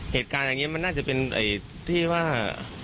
เหตุการณ์อย่างนี้มันน่าจะเป็นที่ว่า